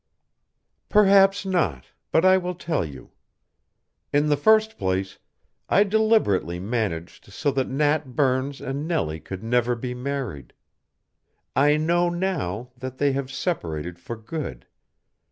"Perhaps not, but I will tell you. In the first place, I deliberately managed so that Nat Burns and Nellie could never be married. I know now that they have separated for good.